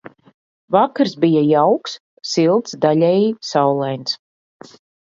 Vakars bija jauks, silts, daļēji saulains.